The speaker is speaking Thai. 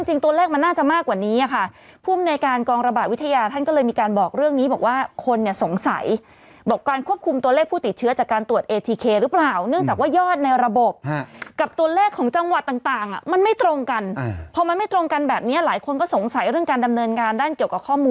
ตัวเลขมันน่าจะมากกว่านี้ค่ะภูมิในการกองระบาดวิทยาท่านก็เลยมีการบอกเรื่องนี้บอกว่าคนเนี่ยสงสัยบอกการควบคุมตัวเลขผู้ติดเชื้อจากการตรวจเอทีเคหรือเปล่าเนื่องจากว่ายอดในระบบกับตัวเลขของจังหวัดต่างมันไม่ตรงกันพอมันไม่ตรงกันแบบนี้หลายคนก็สงสัยเรื่องการดำเนินงานด้านเกี่ยวกับข้อมูล